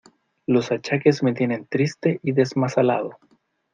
Los achaques me tienen triste y desmazalado.